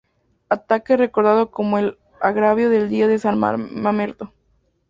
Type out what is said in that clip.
Ataque recordado como el "Agravio del día de San Mamerto".